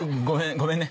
ごめんね。